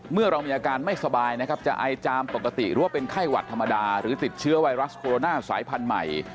เมื่อเรามีอาการไม่สบายนะครับจะไอจามปกติหรือว่าเป็นไข้หวัดธรรมดาหรือติดเชื้อไวรัสโคโรนาสายพันธุ์ใหม่